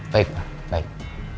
baik pak baik